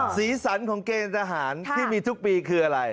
สีสันของเกณฑ์ทหารที่มีทุกปีคืออะไร